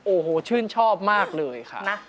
โอ้โหชื่นชอบมากเลยค่ะ